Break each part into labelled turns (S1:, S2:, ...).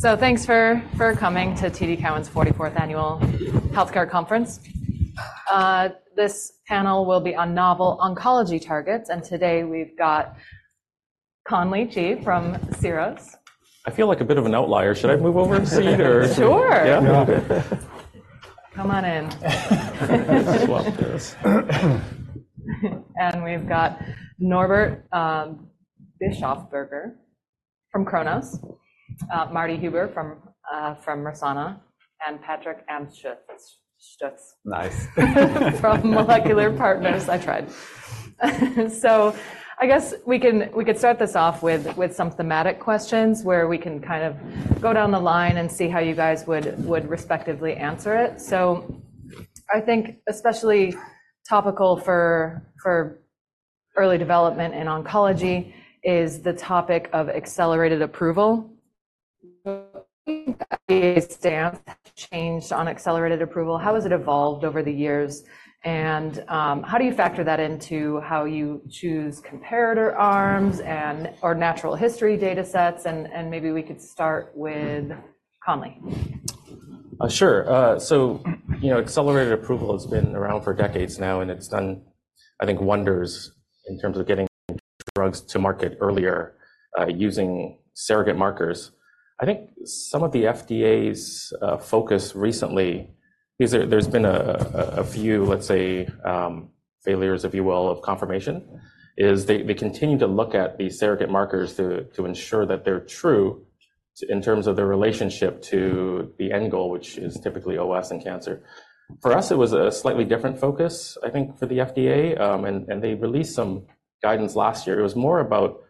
S1: Thanks for coming to TD Cowen's 44th Annual Healthcare Conference. This panel will be on novel oncology targets, and today we've got Conley Chee from Syros Pharmaceuticals.
S2: I feel like a bit of an outlier. Should I move over a seat or?
S1: Sure!
S2: Yeah.
S1: Come on in.
S3: Swap this.
S1: We've got Norbert Bischofberger from Kronos, Marty Huber from Mersana, and Patrick Amstutz.
S3: Nice.
S1: From Molecular Partners. I tried. So I guess we could start this off with some thematic questions, where we can kind of go down the line and see how you guys would respectively answer it. So I think especially topical for early development in oncology is the topic of accelerated approval. FDA's stance changed on accelerated approval. How has it evolved over the years, and how do you factor that into how you choose comparator arms and/or natural history data sets? And maybe we could start with Conley.
S2: Sure. So, you know, accelerated approval has been around for decades now, and it's done, I think, wonders in terms of getting drugs to market earlier, using surrogate markers. I think some of the FDA's focus recently is there. There's been a few, let's say, failures, if you will, of confirmation. As they continue to look at the surrogate markers to ensure that they're true in terms of their relationship to the end goal, which is typically OS and cancer. For us, it was a slightly different focus, I think, for the FDA, and they released some guidance last year. It was more about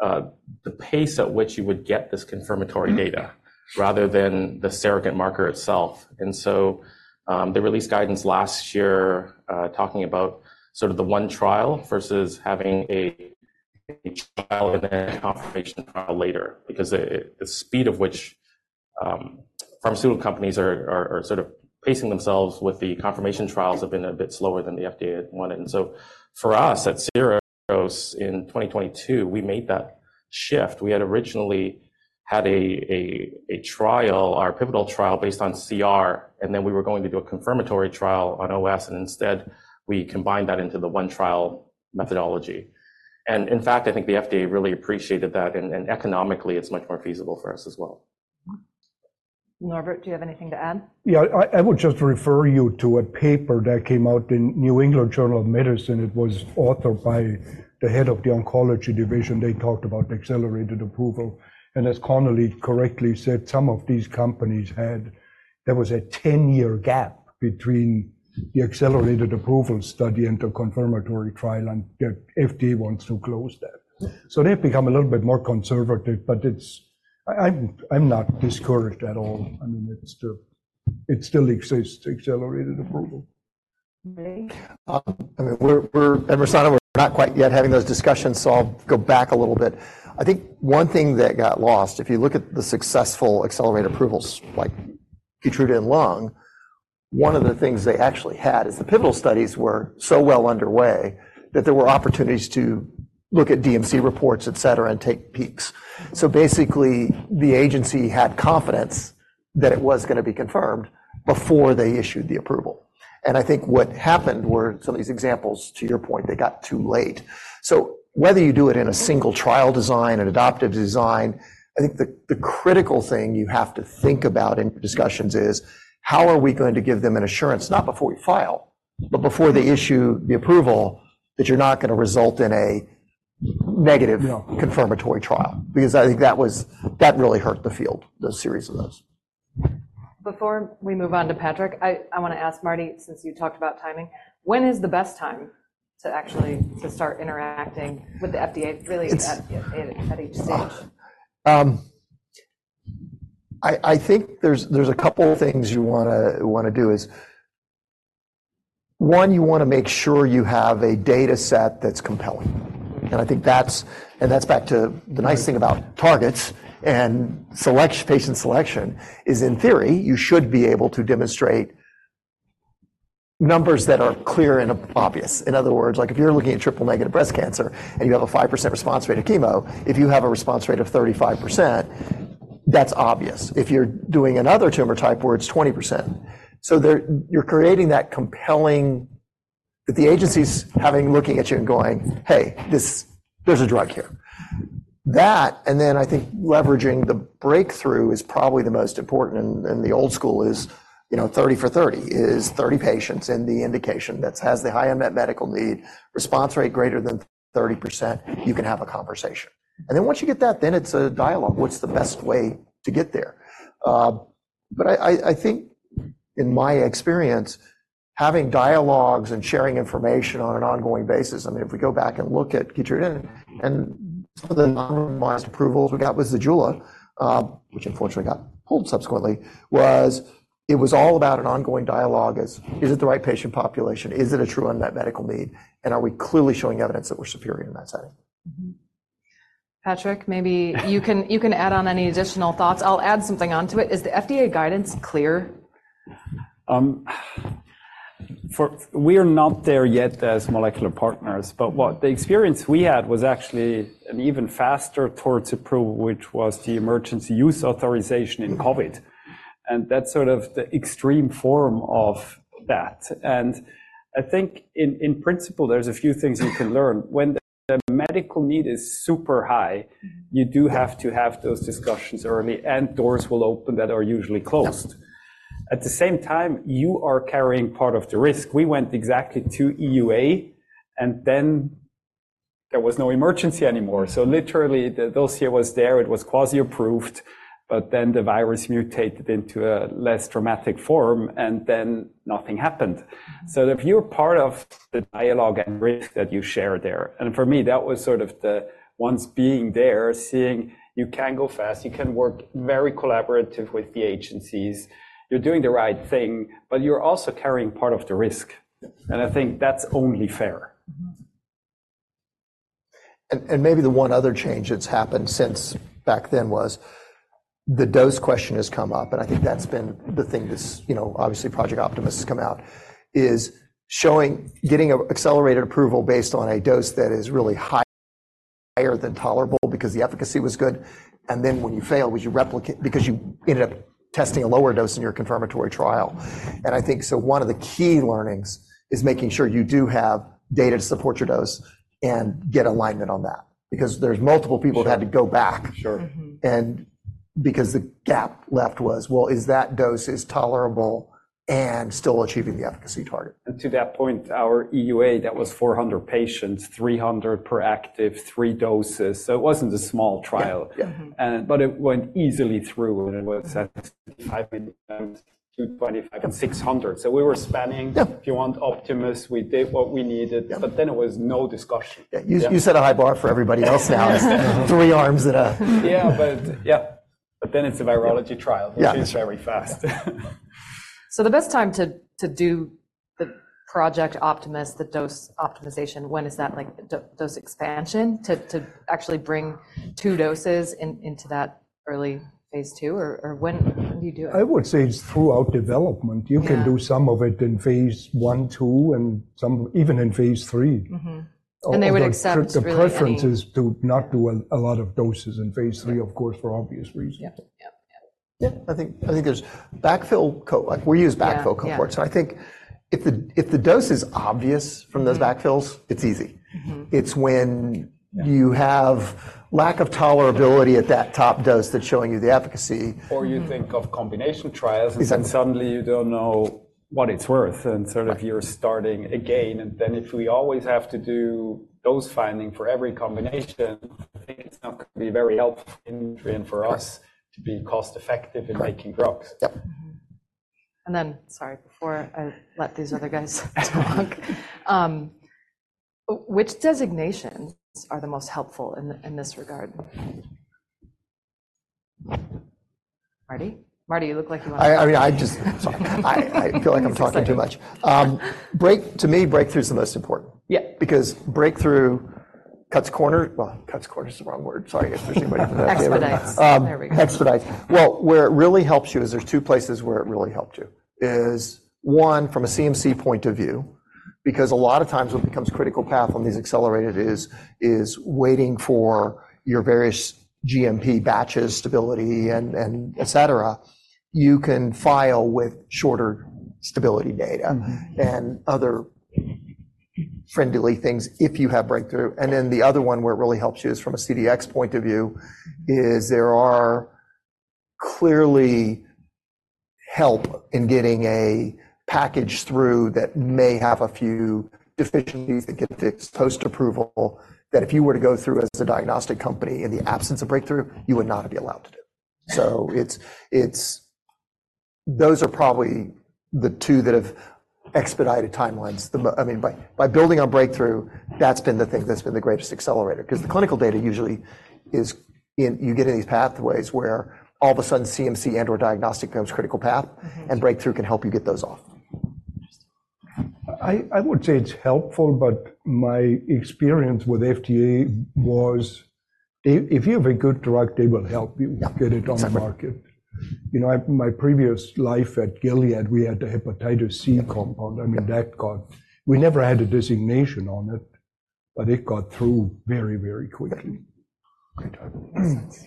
S2: the pace at which you would get this confirmatory data rather than the surrogate marker itself. And so, they released guidance last year, talking about sort of the one trial versus having a trial and then a confirmation trial later, because the speed of which pharmaceutical companies are sort of pacing themselves with the confirmation trials have been a bit slower than the FDA wanted. And so for us, at Syros, in 2022, we made that shift. We had originally had a trial, our pivotal trial, based on CR, and then we were going to do a confirmatory trial on OS, and instead, we combined that into the one-trial methodology. And in fact, I think the FDA really appreciated that, and economically, it's much more feasible for us as well.
S1: Norbert, do you have anything to add?
S3: Yeah, I will just refer you to a paper that came out in New England Journal of Medicine. It was authored by the head of the Oncology Division. They talked about accelerated approval, and as Conley correctly said, some of these companies had—there was a 10-year gap between the accelerated approval study and the confirmatory trial, and the FDA wants to close that. So they've become a little bit more conservative, but it's... I'm not discouraged at all. I mean, it still exists, accelerated approval.
S1: Marty?
S4: I mean, we're at Mersana, we're not quite yet having those discussions, so I'll go back a little bit. I think one thing that got lost, if you look at the successful accelerated approvals, like Keytruda in lung, one of the things they actually had is the pivotal studies were so well underway that there were opportunities to look at DMC reports, etc, and take peeks. So basically, the agency had confidence that it was gonna be confirmed before they issued the approval, and I think what happened were some of these examples, to your point, they got too late. So whether you do it in a single trial design, an adaptive design, I think the critical thing you have to think about in discussions is: How are we going to give them an assurance, not before we file, but before they issue the approval, that you're not gonna result in a negative-
S3: No...
S4: confirmatory trial? Because I think that really hurt the field, the series of those.
S1: Before we move on to Patrick, I wanna ask Marty, since you talked about timing, when is the best time to actually start interacting with the FDA, really?
S4: It's-
S1: At each stage?
S4: I think there's a couple of things you wanna do is: one, you wanna make sure you have a data set that's compelling. And I think that's back to the nice thing about targets and patient selection is, in theory, you should be able to demonstrate numbers that are clear and obvious. In other words, like, if you're looking at triple-negative breast cancer and you have a 5% response rate to chemo, if you have a response rate of 35%, that's obvious. If you're doing another tumor type where it's 20%. So there, you're creating that compelling. That the agency's having, looking at you and going, "Hey, this, there's a drug here." That, and then I think leveraging the breakthrough is probably the most important, and the old school is, you know, 30 for 30. In 30 patients in the indication that has the high unmet medical need, response rate greater than 30%, you can have a conversation. And then once you get that, then it's a dialogue. What's the best way to get there? But I think in my experience, having dialogues and sharing information on an ongoing basis... I mean, if we go back and look at Keytruda and some of the non-BRCA approvals we got was Zejula, which unfortunately got pulled subsequently, was, it was all about an ongoing dialogue as, is it the right patient population? Is it a true unmet medical need, and are we clearly showing evidence that we're superior in that setting?
S1: Patrick, maybe you can add on any additional thoughts. I'll add something onto it. Is the FDA guidance clear?...
S5: We are not there yet as Molecular Partners, but what the experience we had was actually an even faster towards approval, which was the Emergency Use Authorization in COVID. And that's sort of the extreme form of that. And I think in principle, there's a few things you can learn. When the medical need is super high, you do have to have those discussions early, and doors will open that are usually closed. At the same time, you are carrying part of the risk. We went exactly to EUA, and then there was no emergency anymore. So literally, the dossier was there, it was quasi-approved, but then the virus mutated into a less dramatic form, and then nothing happened. If you're part of the dialogue and risk that you share there, and for me, that was sort of the, once being there, seeing you can go fast, you can work very collaborative with the agencies. You're doing the right thing, but you're also carrying part of the risk. I think that's only fair. And maybe the one other change that's happened since back then was the dose question has come up, and I think that's been the thing that's, you know, obviously, Project Optimus has come out, is showing, getting an accelerated approval based on a dose that is really high, higher than tolerable because the efficacy was good. And then when you fail, would you replicate, because you end up testing a lower dose in your confirmatory trial. And I think so one of the key learnings is making sure you do have data to support your dose and get alignment on that, because there's multiple people that- Sure.
S4: had to go back.
S5: Sure. Because the gap left was, well, is that dose is tolerable and still achieving the efficacy target? To that point, our EUA, that was 400 patients, 300 proactive, 3 doses, so it wasn't a small trial.
S4: Yeah. But it went easily through, and it was at 5.2-25 and 600. Yeah.
S5: So we were spanning-
S4: Yeah.
S5: If you want, Optimus, we did what we needed.
S4: Yeah.
S5: But then it was no discussion.
S4: Yeah. You set a high bar for everybody else now. Three arms and a-
S5: Yeah, but yeah. But then it's a virology trial-
S4: Yeah.
S5: Which is very fast.
S1: So the best time to do the Project Optimus, the dose optimization, when is that, like, dose expansion, to actually bring 2 doses in, into that Phase I? or when do you do it?
S3: I would say it's throughout development.
S1: Yeah.
S3: You can do some of it in Phase I, II, and some even in Phase I.
S1: And they would accept really any-
S3: The preference is to not do a lot of doses Phase III, of course, for obvious reasons.
S1: Yep, yep, yep.
S4: Yeah, I think there's backfill cohorts, like, we use backfill cohorts.
S1: Yeah, yeah.
S4: I think if the dose is obvious from those backfills, it's easy. It's when you have lack of tolerability at that top dose that's showing you the efficacy-
S5: Or you think of combination trials-
S4: Exactly...
S5: and suddenly you don't know what it's worth, and sort of-
S4: Right...
S5: you're starting again. And then, if we always have to do dose finding for every combination, I think it's not gonna be very helpful in the end for us to be cost effective in making drugs.
S4: Right. Yep.
S1: And then, sorry, before I let these other guys talk, which designations are the most helpful in this regard? Marty? Marty, you look like you want to-
S4: I just... Sorry. I feel like I'm talking too much.
S1: Yeah.
S4: To me, breakthrough is the most important.
S1: Yeah.
S4: Because breakthrough cuts corners. Well, cuts corners is the wrong word. Sorry if there's anybody from the FDA.
S1: Expedites. There we go....
S4: expedite. Well, where it really helps you is, there's two places where it really helps you. Is one, from a CMC point of view, because a lot of times what becomes critical path on these accelerated is waiting for your various GMP batches, stability, and etc. You can file with shorter stability data-... and other friendly things if you have breakthrough. And then the other one where it really helps you is from a CDx point of view, is there are clearly help in getting a package through that may have a few deficiencies that get fixed post-approval, that if you were to go through as a diagnostic company in the absence of breakthrough, you would not be allowed to do. So it's those are probably the two that have expedited timelines. I mean, by building on breakthrough, that's been the thing that's been the greatest accelerator, because the clinical data usually is in... You get in these pathways where all of a sudden, CMC and/or diagnostic becomes critical path. Breakthrough can help you get those off.
S1: Interesting.
S3: I would say it's helpful, but my experience with FDA was if you have a good drug, they will help you-
S4: Yeah...
S3: get it on the market.
S4: Exactly.
S3: You know, my previous life at Gilead, we had a hepatitis C compound.
S4: Yeah.
S3: I mean, we never had a designation on it, but it got through very, very quickly.
S4: Great. I believe that's...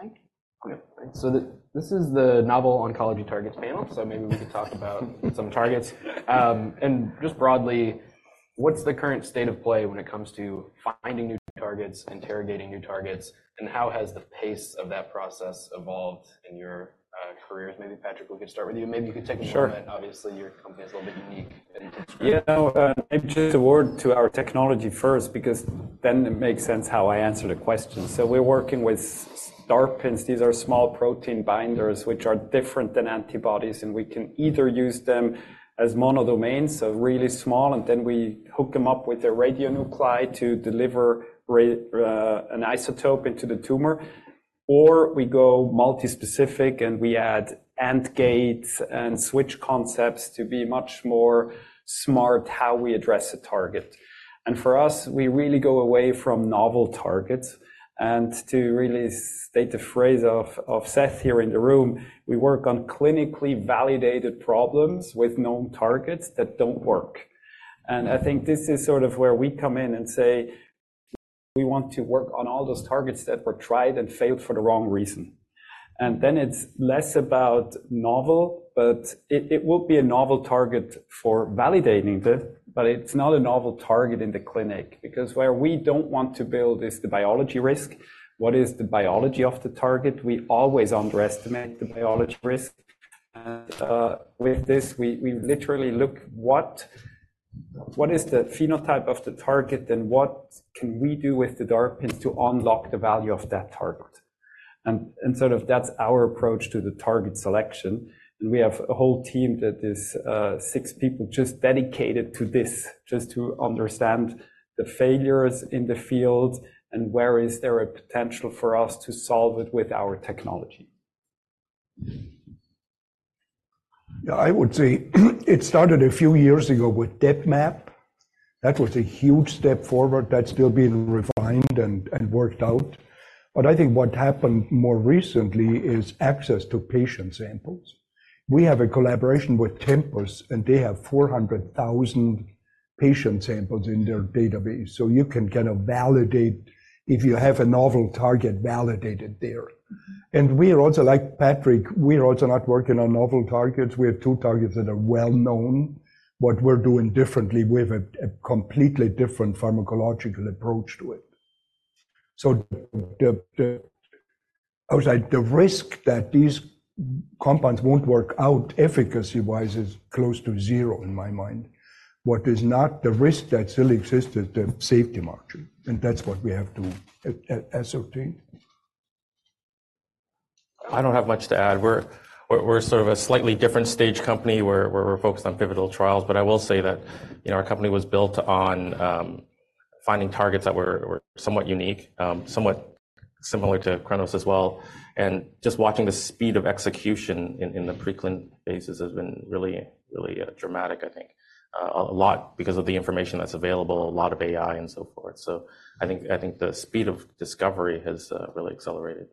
S6: Thank you. Great. So this is the Novel Oncology Targets panel, so maybe we could talk about some targets. And just broadly, what's the current state of play when it comes to finding new targets, interrogating new targets, and how has the pace of that process evolved in your careers? Maybe, Patrick, we could start with you. Maybe you could take a moment.
S5: Sure.
S6: Obviously, your company is a little bit unique and different.
S5: Yeah. Maybe just a word to our technology first, because then it makes sense how I answer the question. So we're working with DARPins. These are small protein binders, which are different than antibodies, and we can either use them as monodomains, so really small, and then we hook them up with a radionuclide to deliver an isotope into the tumor... or we go multi-specific, and we add AND gates and switch concepts to be much more smart how we address a target. And for us, we really go away from novel targets. And to really state the phrase of Seth here in the room: "We work on clinically validated problems with known targets that don't work." And I think this is sort of where we come in and say, we want to work on all those targets that were tried and failed for the wrong reason. And then it's less about novel, but it will be a novel target for validating it, but it's not a novel target in the clinic. Because where we don't want to build is the biology risk. What is the biology of the target? We always underestimate the biology risk. And with this, we literally look what is the phenotype of the target, and what can we do with the DARPins to unlock the value of that target? And sort of that's our approach to the target selection. We have a whole team that is six people just dedicated to this, just to understand the failures in the field and where is there a potential for us to solve it with our technology.
S3: Yeah, I would say it started a few years ago with DepMap. That was a huge step forward. That's still being refined and worked out. But I think what happened more recently is access to patient samples. We have a collaboration with Tempus, and they have 400,000 patient samples in their database, so you can kind of validate if you have a novel target validated there. And we are also, like Patrick, we are also not working on novel targets. We have two targets that are well-known. What we're doing differently, we have a completely different pharmacological approach to it. So, I would say, the risk that these compounds won't work out efficacy-wise is close to zero, in my mind. What is not the risk that still exists is the safety margin, and that's what we have to assess.
S2: I don't have much to add. We're sort of a slightly different stage company, where we're focused on pivotal trials. But I will say that, you know, our company was built on finding targets that were somewhat unique, somewhat similar to Kronos as well. And just watching the speed of execution in the pre-clin phases has been really, really dramatic, I think. A lot because of the information that's available, a lot of AI, and so forth. So I think the speed of discovery has really accelerated.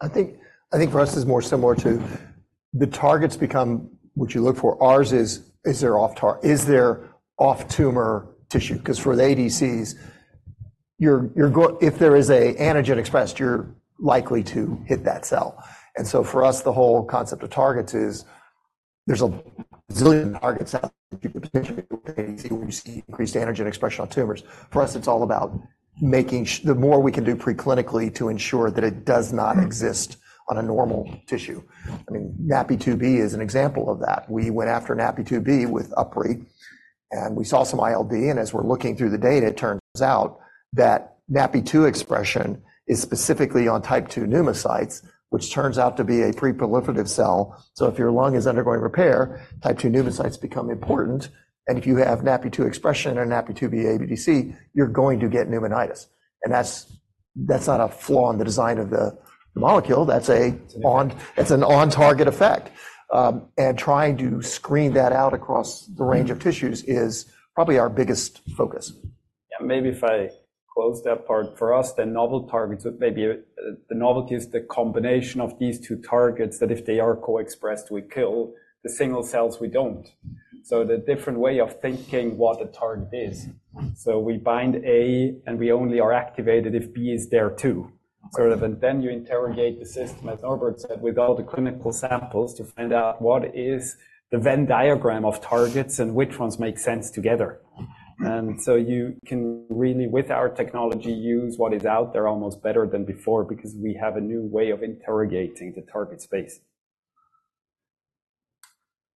S4: I think for us it's more similar to the targets become what you look for. Ours is, is there off-tumor tissue? Because for the ADCs, if there is an antigen expressed, you're likely to hit that cell. And so for us, the whole concept of targets is there's a zillion targets out there, potentially, where you see increased antigen expression on tumors. For us, it's all about making sure the more we can do pre-clinically to ensure that it does not exist on a normal tissue. I mean, NaPi2b is an example of that. We went after NaPi2b with Upri, and we saw some ILD, and as we're looking through the data, it turns out that NaPi2b expression is specifically on type II pneumocytes, which turns out to be a pre-proliferative cell. So if your lung is undergoing repair, type II pneumocytes become important, and if you have NaPi2b expression and NaPi2b ADC, you're going to get pneumonitis. And that's, that's not a flaw in the design of the molecule, it's an on-target effect. And trying to screen that out across the range of tissues is probably our biggest focus.
S5: Yeah, maybe if I close that part. For us, the novel targets, maybe the novelty is the combination of these two targets, that if they are co-expressed, we kill the single cells, we don't. So the different way of thinking what the target is. So we bind A, and we only are activated if B is there, too. Sort of, and then you interrogate the system, as Norbert said, with all the clinical samples to find out what is the Venn diagram of targets and which ones make sense together. And so you can really, with our technology, use what is out there almost better than before because we have a new way of interrogating the target space.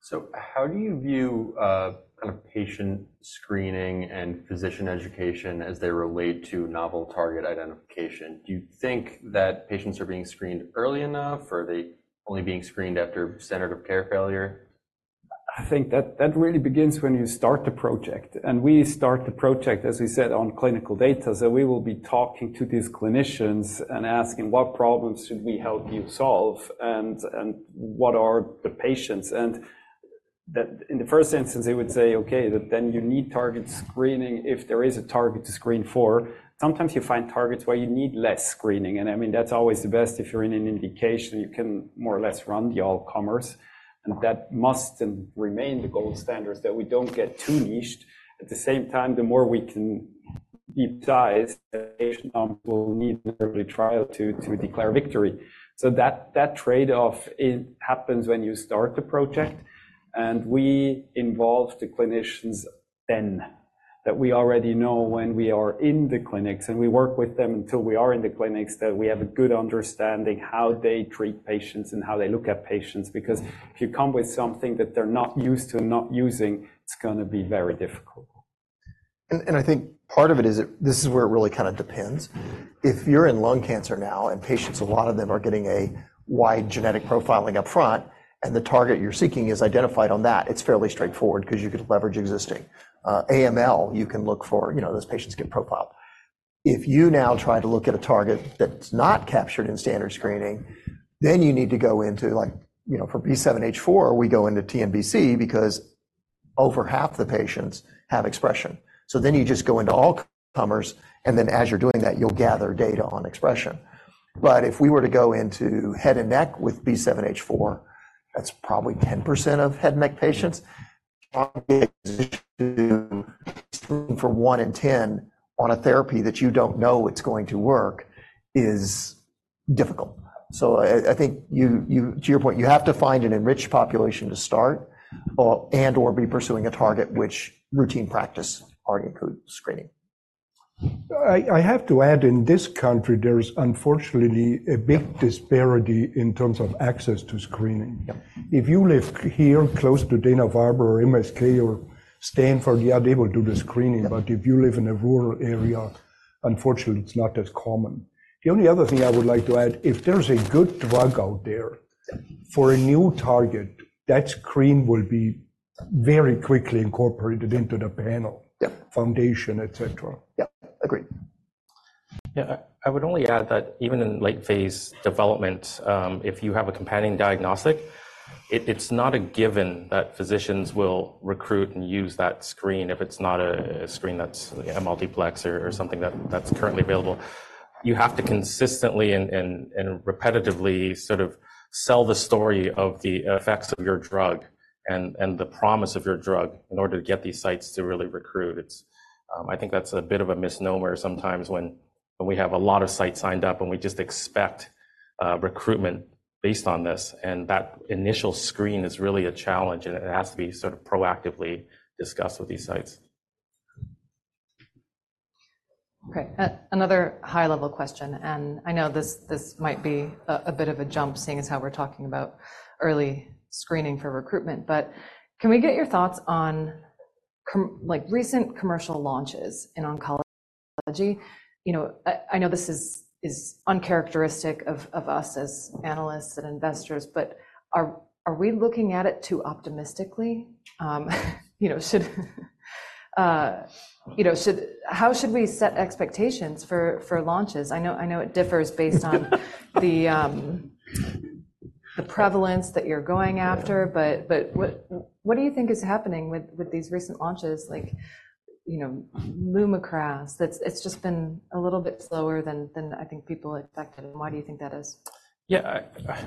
S7: So how do you view, kind of patient screening and physician education as they relate to novel target identification? Do you think that patients are being screened early enough, or are they only being screened after standard of care failure?
S5: I think that, that really begins when you start the project, and we start the project, as we said, on clinical data. So we will be talking to these clinicians and asking, "What problems should we help you solve, and, and what are the patients?" And that in the first instance, they would say, "Okay, then you need target screening if there is a target to screen for." Sometimes you find targets where you need less screening, and, I mean, that's always the best. If you're in an indication, you can more or less run the all-comers, and that must remain the gold standard, so that we don't get too niched. At the same time, the more we can deep dive, we'll need every trial to, to declare victory. So that, that trade-off, it happens when you start the project, and we involve the clinicians then. That we already know when we are in the clinics, and we work with them until we are in the clinics, that we have a good understanding how they treat patients and how they look at patients. Because if you come with something that they're not used to and not using, it's gonna be very difficult.
S4: I think part of it is, this is where it really kind of depends. If you're in lung cancer now, and patients, a lot of them are getting a wide genetic profiling up front—and the target you're seeking is identified on that, it's fairly straightforward because you could leverage existing. AML, you can look for, you know, those patients get profiled. If you now try to look at a target that's not captured in standard screening, then you need to go into, like, you know, for B7-H4, we go into TNBC because over half the patients have expression. So then you just go into all comers, and then as you're doing that, you'll gather data on expression. But if we were to go into head and neck with B7-H4, that's probably 10% of head and neck patients. For one in ten on a therapy that you don't know it's going to work is difficult. So I think you – to your point, you have to find an enriched population to start or, and/or be pursuing a target which routine practice already include screening.
S3: I have to add, in this country, there's unfortunately a big disparity in terms of access to screening.
S4: Yep.
S3: If you live here close to Dana-Farber or MSK or Stanford, yeah, they will do the screening. But if you live in a rural area, unfortunately, it's not as common. The only other thing I would like to add, if there's a good drug out there-
S4: Yep...
S3: for a new target, that screen will be very quickly incorporated into the panel.
S4: Yep
S3: - Foundation, etc.
S4: Yep, agreed.
S2: Yeah, I would only add that even in late-phase development, if you have a companion diagnostic, it's not a given that physicians will recruit and use that screen if it's not a screen that's a multiplex or something that's currently available. You have to consistently and repetitively sort of sell the story of the effects of your drug and the promise of your drug in order to get these sites to really recruit. It's, I think that's a bit of a misnomer sometimes when we have a lot of sites signed up, and we just expect recruitment based on this, and that initial screen is really a challenge, and it has to be sort of proactively discussed with these sites.
S1: Okay, another high-level question, and I know this might be a bit of a jump, seeing as how we're talking about early screening for recruitment. But can we get your thoughts on like, recent commercial launches in oncology? You know, I know this is uncharacteristic of us as analysts and investors, but are we looking at it too optimistically? You know, should—How should we set expectations for launches? I know it differs based on the prevalence that you're going after, but what do you think is happening with these recent launches, like, you know, Lumakras? It's just been a little bit slower than I think people expected, and why do you think that is?
S2: Yeah,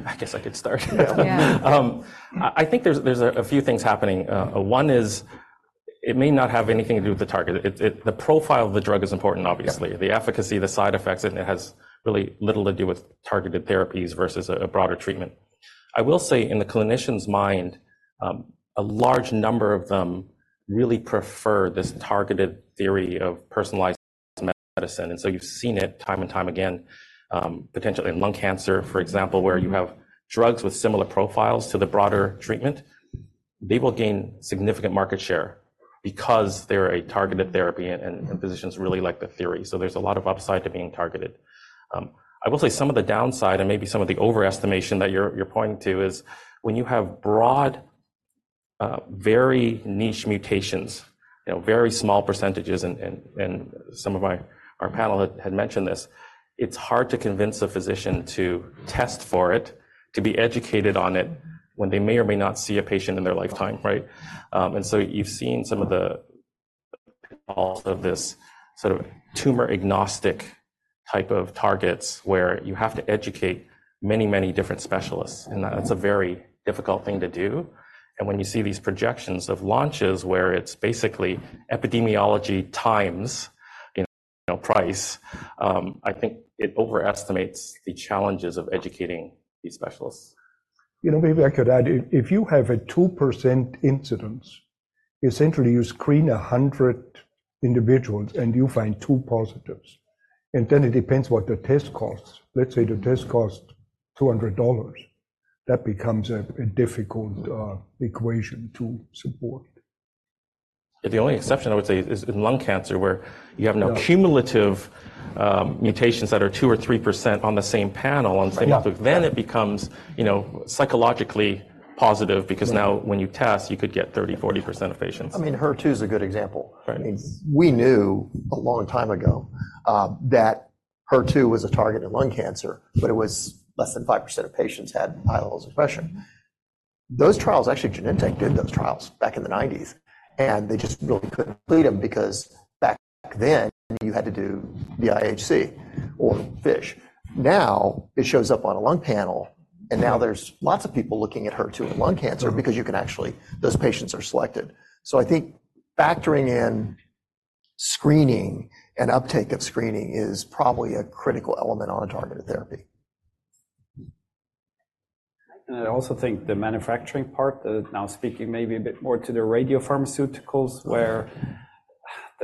S2: I guess I could start.
S1: Yeah.
S2: I think there's a few things happening. One is it may not have anything to do with the target. The profile of the drug is important, obviously.
S4: Yep.
S2: The efficacy, the side effects, and it has really little to do with targeted therapies versus a broader treatment. I will say, in the clinician's mind, a large number of them really prefer this targeted theory of personalized medicine, and so you've seen it time and time again, potentially in lung cancer, for example, where you have drugs with similar profiles to the broader treatment. They will gain significant market share because they're a targeted therapy, and physicians really like the theory, so there's a lot of upside to being targeted. I will say some of the downside and maybe some of the overestimation that you're pointing to is, when you have broad, very niche mutations, you know, very small percentages, and some of our panel had mentioned this, it's hard to convince a physician to test for it, to be educated on it when they may or may not see a patient in their lifetime, right? And so you've seen some of the, all of this sort of tumor-agnostic type of targets, where you have to educate many, many different specialists, and that's a very difficult thing to do. And when you see these projections of launches where it's basically epidemiology times, you know, price, I think it overestimates the challenges of educating these specialists.
S3: You know, maybe I could add. If you have a 2% incidence, essentially you screen 100 individuals, and you find 2 positives, and then it depends what the test costs. Let's say the test costs $200. That becomes a difficult equation to support.
S2: The only exception, I would say, is in lung cancer, where you have-
S3: Yeah
S2: now cumulative mutations that are 2% or 3% on the same panel, on the same-
S3: Right.
S2: Then it becomes, you know, psychologically positive-
S3: Yeah
S2: - because now when you test, you could get 30%-40% of patients.
S4: I mean, HER2 is a good example.
S2: Right.
S4: We knew a long time ago that HER2 was a target in lung cancer, but it was less than 5% of patients had high levels of expression. Those trials, actually, Genentech did those trials back in the nineties, and they just really couldn't complete them because back then, you had to do IHC or FISH. Now, it shows up on a lung panel, and now there's lots of people looking at HER2 in lung cancer.... because you can actually, those patients are selected. So I think factoring in screening and uptake of screening is probably a critical element on a targeted therapy.
S5: And I also think the manufacturing part, now speaking maybe a bit more to the radiopharmaceuticals, where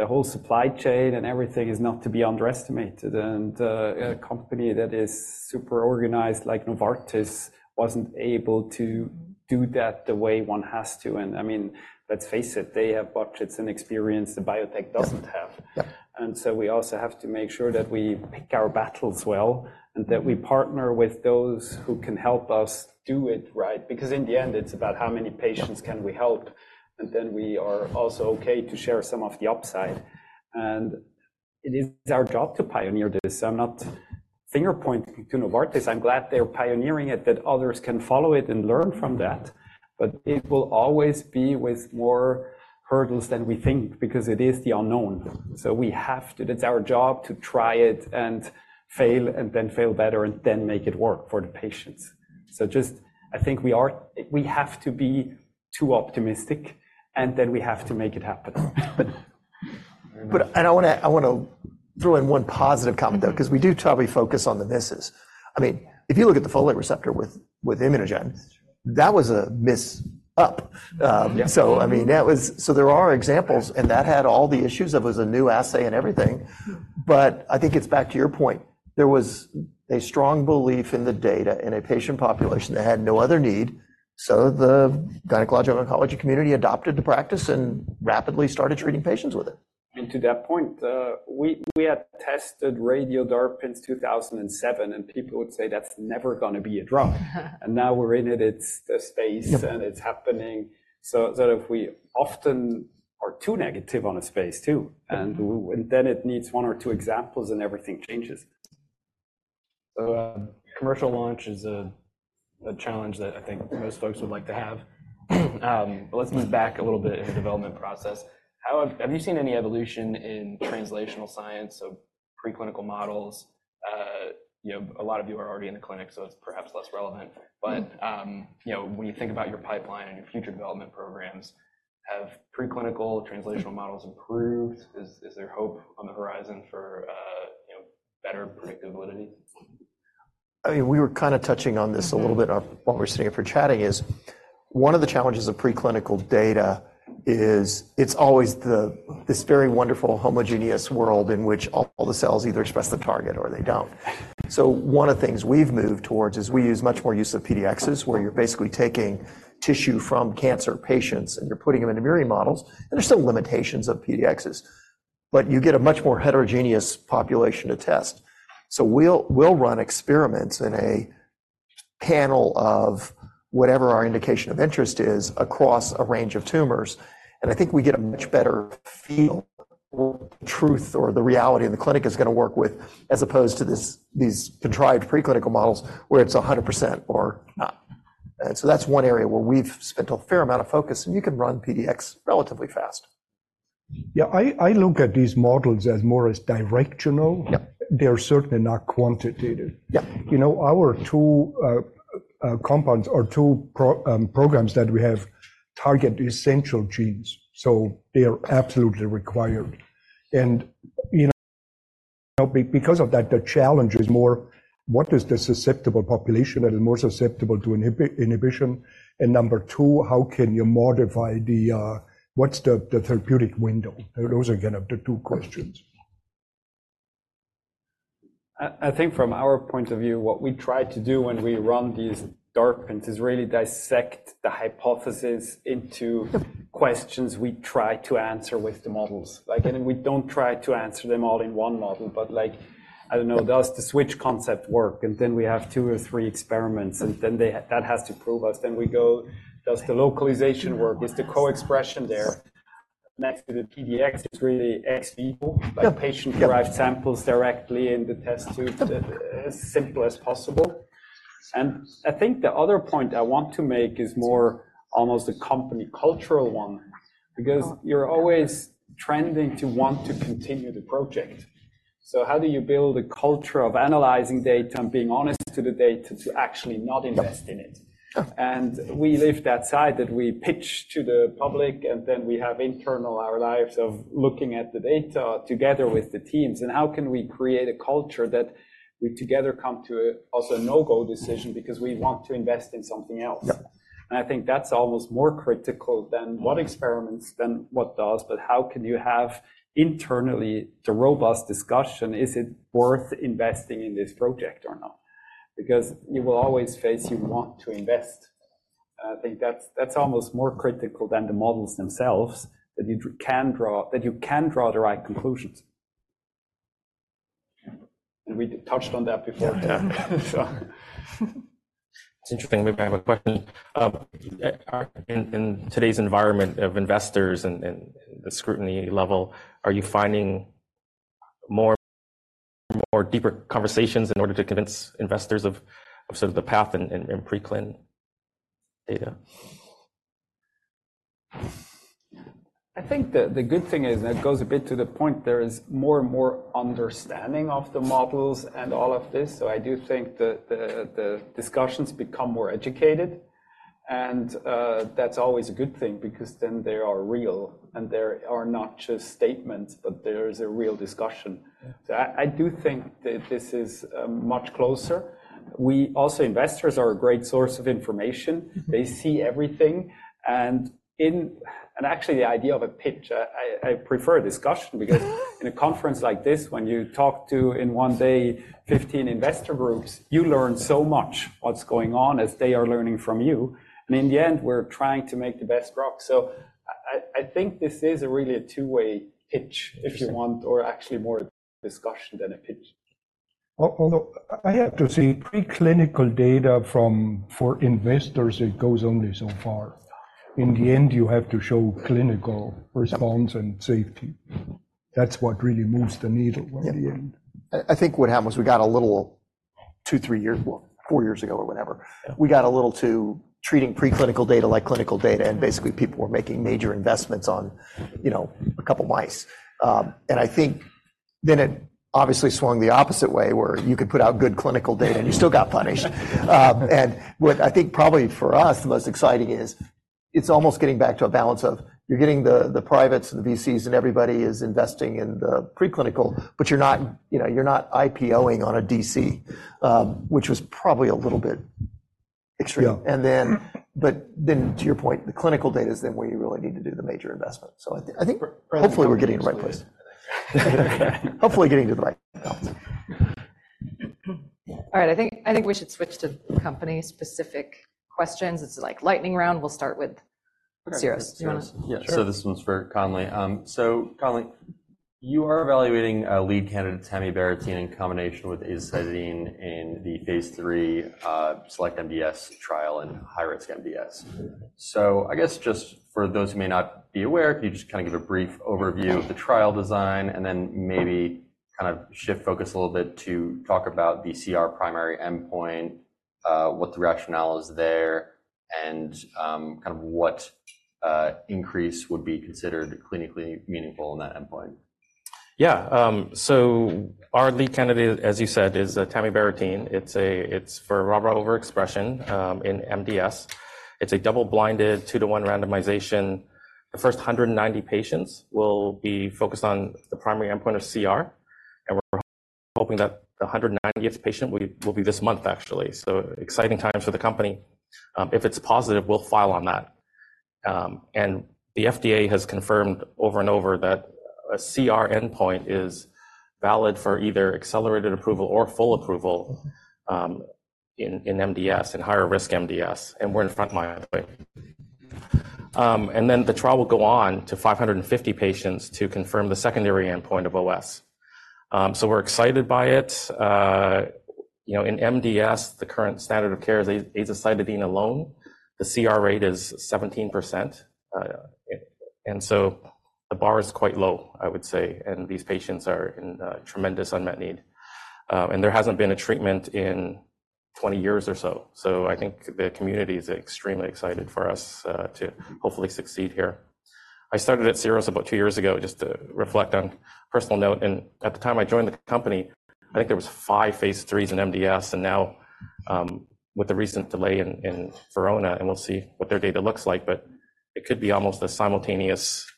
S5: the whole supply chain and everything is not to be underestimated. And a company that is super organized, like Novartis, wasn't able to do that the way one has to. And I mean, let's face it, they have budgets and experience the biotech doesn't have. And so we also have to make sure that we pick our battles well, and that we partner with those who can help us do it right. Because in the end, it's about how many patients can we help, and then we are also okay to share some of the upside. And it is our job to pioneer this. I'm not finger-pointing to Novartis. I'm glad they're pioneering it, that others can follow it and learn from that. But it will always be with more hurdles than we think, because it is the unknown. So we have to, it's our job to try it and fail, and then fail better, and then make it work for the patients. So just, I think we are, we have to be too optimistic, and then we have to make it happen.
S4: But I wanna throw in one positive comment, though, 'cause we do totally focus on the misses. I mean, if you look at the folate receptor with ImmunoGen, that was a miss up.
S5: Yeah.
S4: So, I mean, there are examples, and that had all the issues. It was a new assay and everything. But I think it's back to your point. There was a strong belief in the data, in a patient population that had no other need, so the gynecologic oncology community adopted the practice and rapidly started treating patients with it.
S5: And to that point, we had tested Radio-DARPin in 2007, and people would say, "That's never gonna be a drug." And now we're in it, it's the space, and it's happening. So if we often are too negative on a space, too, and then it needs one or two examples, and everything changes.
S6: So, commercial launch is a challenge that I think most folks would like to have. But let's move back a little bit in the development process. How have you seen any evolution in translational science, so preclinical models? You know, a lot of you are already in the clinic, so it's perhaps less relevant. But, you know, when you think about your pipeline and your future development programs, have preclinical translational models improved? Is there hope on the horizon for, you know, better predictive validity?
S4: I mean, we were kinda touching on this a little bit while we were sitting here for chatting. One of the challenges of preclinical data is it's always this very wonderful, homogeneous world in which all the cells either express the target or they don't. So one of the things we've moved towards is we use much more use of PDXs, where you're basically taking tissue from cancer patients, and you're putting them into murine models. And there are still limitations of PDXs, but you get a much more heterogeneous population to test. So we'll, we'll run experiments in a panel of whatever our indication of interest is across a range of tumors, and I think we get a much better feel for the truth or the reality in the clinic is gonna work with, as opposed to these contrived preclinical models where it's 100% or not. And so that's one area where we've spent a fair amount of focus, and you can run PDX relatively fast.
S3: Yeah, I look at these models as more as directional.
S4: Yeah.
S3: They're certainly not quantitative.
S4: Yeah.
S3: You know, our two compounds or two programs that we have target essential genes, so they are absolutely required. And, you know, because of that, the challenge is more: what is the susceptible population that is more susceptible to inhibition? And number two, how can you modify the, What's the therapeutic window? Those, again, are the two questions.
S5: I think from our point of view, what we try to do when we run these DARPins is really dissect the hypothesis into questions we try to answer with the models. Like, and we don't try to answer them all in one model, but like, I don't know, does the switch concept work? And then we have two or three experiments, and then they—that has to prove us. Then we go, does the localization work? Is the co-expression there? Next to the PDX is really ex vivo-
S4: Yeah...
S5: like patient-derived samples directly in the test tube, as simple as possible. I think the other point I want to make is more almost a company cultural one, because you're always trending to want to continue the project. How do you build a culture of analyzing data and being honest to the data to actually not invest in it?
S4: Yeah.
S5: We live that side, that we pitch to the public, and then we have internal, our reviews of looking at the data together with the teams. How can we create a culture that we together come to also a no-go decision because we want to invest in something else?
S4: Yeah.
S5: I think that's almost more critical than what experiments, than what does, but how can you have internally the robust discussion, is it worth investing in this project or not? Because you will always face you want to invest. I think that's, that's almost more critical than the models themselves, that you can draw - that you can draw the right conclusions. We touched on that before.
S4: Yeah, sure.
S2: It's interesting. We have a question. In today's environment of investors and the scrutiny level, are you finding more deeper conversations in order to convince investors of sort of the path in preclinical data?
S5: I think the good thing is, and it goes a bit to the point, there is more and more understanding of the models and all of this, so I do think the discussions become more educated... and that's always a good thing because then they are real, and they are not just statements, but there is a real discussion. So I do think that this is much closer. We also, investors are a great source of information. They see everything, and in. And actually, the idea of a pitch, I prefer a discussion, because in a conference like this, when you talk to, in one day, 15 investor groups, you learn so much what's going on as they are learning from you. And in the end, we're trying to make the best drug. I think this is really a two-way pitch, if you want, or actually more a discussion than a pitch.
S3: Well, although I have to say, preclinical data for investors, it goes only so far. In the end, you have to show clinical response and safety. That's what really moves the needle in the end.
S4: Yeah. I think what happened was we got a little, 2, 3 years, well, 4 years ago or whatever, we got a little too treating preclinical data like clinical data, and basically, people were making major investments on, you know, a couple of mice. And I think then it obviously swung the opposite way, where you could put out good clinical data, and you still got punished. And what I think probably for us, the most exciting is, it's almost getting back to a balance of you're getting the, the privates and the VCs, and everybody is investing in the preclinical, but you're not, you know, you're not IPO-ing on an ADC, which was probably a little bit extreme.
S3: Yeah.
S4: To your point, the clinical data is then where you really need to do the major investment. So I think we're hopefully getting to the right place. Hopefully, getting to the right balance.
S1: All right, I think, I think we should switch to company-specific questions. It's like lightning round. We'll start with Syros.
S4: Syros.
S7: You want to? Yeah.
S4: Sure.
S7: So this one's for Conley. So, Conley, you are evaluating a lead candidate, tamibarotene, in combination with azacitidine in the Phase III SELECT-MDS trial in high-risk MDS. So I guess just for those who may not be aware, could you just kind of give a brief overview of the trial design and then maybe kind of shift focus a little bit to talk about the CR primary endpoint, what the rationale is there, and kind of what increase would be considered clinically meaningful in that endpoint?
S2: Yeah, so our lead candidate, as you said, is tamibarotene. It's for RARA overexpression in MDS. It's a double-blinded, 2-to-1 randomization. The first 190 patients will be focused on the primary endpoint of CR, and we're hoping that the 190th patient will be this month, actually. So exciting times for the company. If it's positive, we'll file on that. And the FDA has confirmed over and over that a CR endpoint is valid for either accelerated approval or full approval in MDS, in higher-risk MDS, and we're in front line, by the way. And then the trial will go on to 550 patients to confirm the secondary endpoint of OS. So we're excited by it. You know, in MDS, the current standard of care is azacitidine alone. The CR rate is 17%. And so the bar is quite low, I would say, and these patients are in tremendous unmet need. And there hasn't been a treatment in 20 years or so. So I think the community is extremely excited for us to hopefully succeed here. I started at Syros about 2 years ago, just to reflect on personal note, and at the time I joined the company, I think there was five Phase III in MDS, and now, with the recent delay in Verona, and we'll see what their data looks like, but it could be almost a simultaneous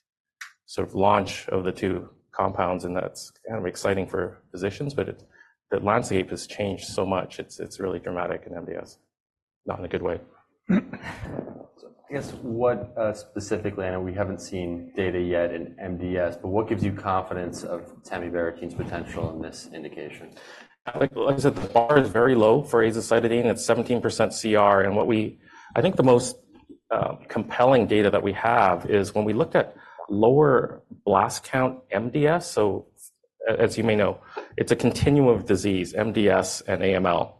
S2: sort of launch of the two compounds, and that's kind of exciting for physicians, but it, the landscape has changed so much. It's really dramatic in MDS, not in a good way.
S7: I guess what, specifically, I know we haven't seen data yet in MDS, but what gives you confidence of tamibarotene's potential in this indication?
S2: Like I said, the bar is very low for azacitidine. It's 17% CR, and what we—I think the most compelling data that we have is when we looked at lower blast count MDS. So as you may know, it's a continuum of disease, MDS and AML.